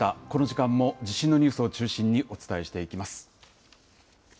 この時間も地震のニュースを中心にお伝えしていきます。